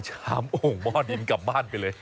ต้องมาลดเป็นรถมาทำให้ได้๒๓เดือนเอง